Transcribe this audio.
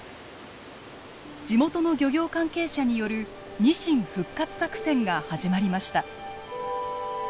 地元の漁業関係者によるニシン復活作戦が始まりました。